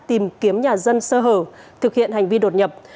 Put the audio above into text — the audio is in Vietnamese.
tìm kiếm nhà dân sơ hở thực hiện hành vi đột nhập